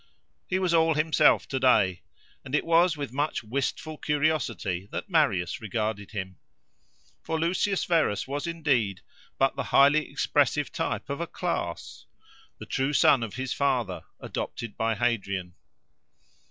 He was all himself to day: and it was with much wistful curiosity that Marius regarded him. For Lucius Verus was, indeed, but the highly expressive type of a class,—the true son of his father, adopted by Hadrian.